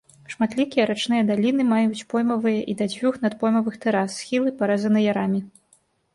Шматлікія рачныя даліны маюць поймавыя і да дзвюх надпоймавых тэрас, схілы парэзаны ярамі.